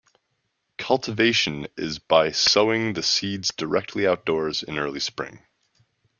Cultivation is by sowing the seeds directly outdoors in early spring.